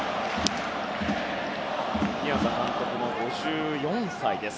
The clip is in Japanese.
ピアザ監督も５４歳です。